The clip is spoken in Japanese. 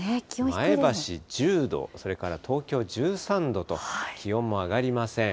前橋１０度、それから東京１３度と、気温も上がりません。